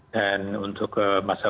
dan untuk masa